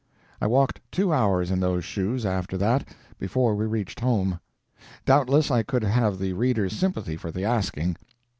I walked two hours in those shoes after that, before we reached home. Doubtless I could have the reader's sympathy for the asking.